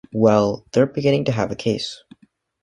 Well, they're beginning to have a case.